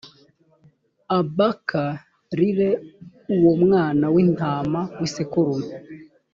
ab k rire uwo mwana w intama w isekurume